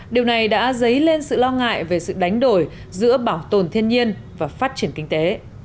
điều này đã dấy lên sự lo ngại về sự đánh đổi giữa bảo tồn thiên nhiên và phát triển kinh tế